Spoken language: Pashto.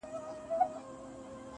سپينه خولگۍ راپسي مه ږغوه